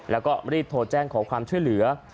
แล้วก็รีบโทรแจ้งขอความช่วยเหลือ